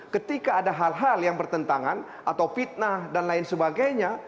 ketika ada hal hal yang bertentangan atau fitnah dan lain sebagainya